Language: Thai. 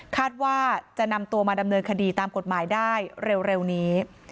คาดว่าจะนำตัวมาดำเนินคดีตามกฎหมายได้เร็วนี้